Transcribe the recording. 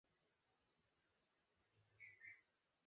তবে নির্বাচন কমিশনকে চাপে রাখার জন্য কিছু শর্ত যুক্ত করা হতে পারে।